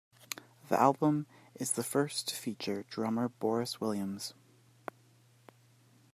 The album is the first to feature drummer Boris Williams.